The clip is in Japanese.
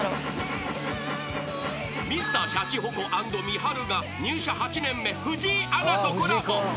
［Ｍｒ．シャチホコ＆みはるが入社８年目藤井アナとコラボ］